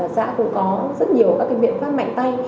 xã cũng có rất nhiều các biện pháp mạnh tay